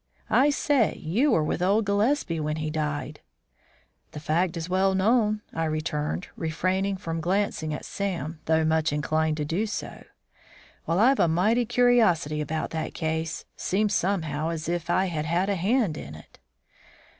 "I say! you were with old Gillespie when he died." "The fact is well known," I returned, refraining from glancing at Sam, though much inclined to do so. "Well, I've a mighty curiosity about that case; seems somehow as if I had had a hand in it."